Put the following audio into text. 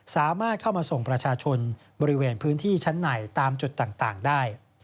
สามารถเข้ามาส่งประชาชนบริเวณพื้นที่ชั้นในตามจุดต่างได้